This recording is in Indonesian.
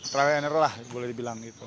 trainer lah boleh dibilang gitu